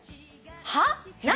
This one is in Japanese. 「はっ？何？